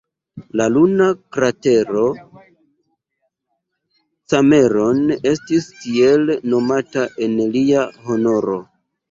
La luna kratero Cameron estis tiel nomata en lia honoro.